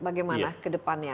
bagaimana ke depannya